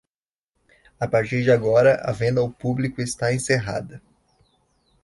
a partir de agora, a venda ao publico está encerrada